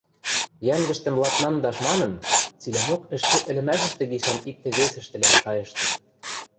Йӓнгӹштӹм ладнангдаш манын, цилӓмок ӹшке ӹлӹмӓшӹштӹ гишӓн иктӹ-весӹштӹлӓн шайыштыт.